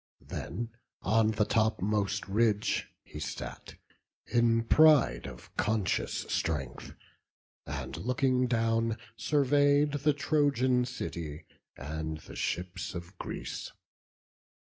Then on the topmost ridge he sat, in pride Of conscious strength; and looking down, survey'd The Trojan city, and the ships of Greece.